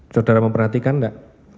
saudara memperhatikan tidak